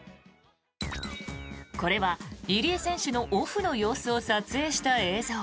これは入江選手のオフの様子を撮影した映像。